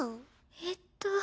えっと